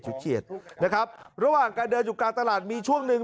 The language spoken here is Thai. เฉียดนะครับระหว่างการเดินอยู่กลางตลาดมีช่วงหนึ่ง